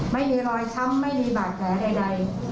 ไม่มีรอยช้ำไม่มีบาดแผลใด